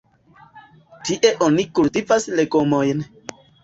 Tie oni kultivas legomojn.